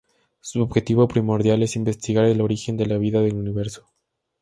Su objetivo primordial es investigar el origen de la vida en el Universo.